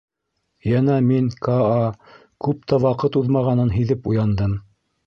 Йәнә мин, Каа, күп тә ваҡыт уҙмағанын һиҙеп уяндым.